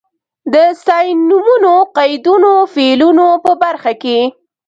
د ستاینومونو، قیدونو، فعلونو په برخه کې.